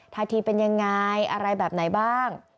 ท่าทีเป็นยังไงอะไรแบบไหนบ้าง